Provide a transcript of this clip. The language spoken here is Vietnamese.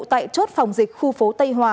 tại chốt phòng dịch khu phố tây hòa